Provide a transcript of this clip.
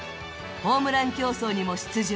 ホームラン競争にも出場。